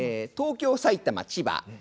東京埼玉千葉